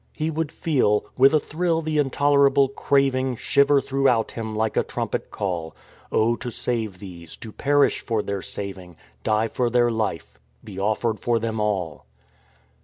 He would feel "... with a thrill the intolerable craving Shiver throughout him like a trumpet call. O to save these, to perish for their saving; Die for their life; be offered for them all."